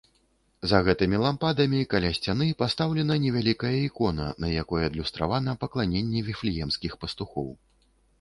За гэтымі лампадамі, каля сцяны, пастаўлена невялікая ікона, на якой адлюстравана пакланенне віфлеемскіх пастухоў.